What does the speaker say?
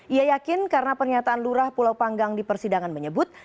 ia yakin karena pernyataan lurah pulau panggang di persidangan menyebut